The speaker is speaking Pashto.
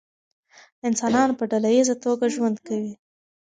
انسانان په ډله ایزه توګه ژوند کوي.